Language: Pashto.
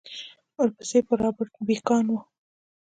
ورپسې به رابرټ بېکان و.